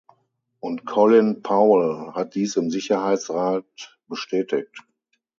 Und Colin Powell hat dies im Sicherheitsrat bestätigt.